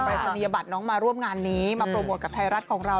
รายศนียบัตรน้องมาร่วมงานนี้มาโปรโมทกับไทยรัฐของเรา